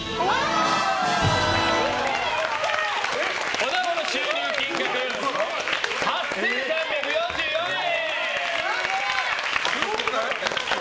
おなごの収入金額８３４４円！